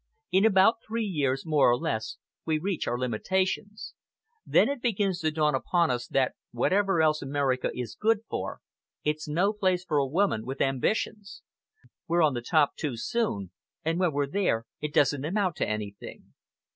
In about three years, more or less, we reach our limitations. Then it begins to dawn upon us that, whatever else America is good for, it's no place for a woman with ambitions. We're on the top too soon, and when we're there it doesn't amount to anything."